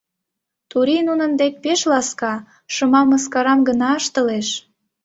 Турий нунын дене пеш ласка, шыма, мыскарам гына ыштылеш.